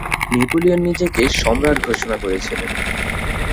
Napoleon নিজেকে সম্রাট ঘোষণা করেন।